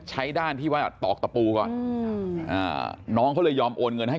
ด้านที่ว่าตอกตะปูก่อนน้องเขาเลยยอมโอนเงินให้